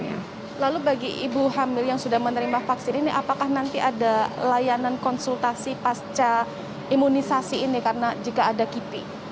lalu bagi ibu hamil yang sudah menerima vaksin ini apakah nanti ada layanan konsultasi pasca imunisasi ini karena jika ada kipi